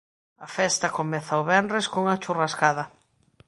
A festa comeza o venres cunha churrascada.